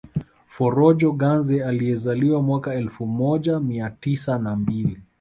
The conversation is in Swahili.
Forojo Ganze aliyezaliwa mwaka elfu moja mia tisa na mbili